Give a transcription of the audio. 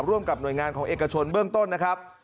ร่วมกับหน่วยงานของเอกชนเบื้องต้นนะครับ